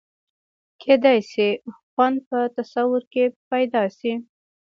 کېدای شي خوند په تصور کې پیدا شي.